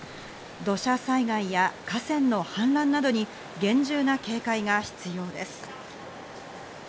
土砂災害や河川の氾濫などに厳重な警戒が必要です。